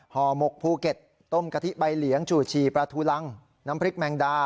หมกภูเก็ตต้มกะทิใบเหลียงชูชีปลาทูรังน้ำพริกแมงดา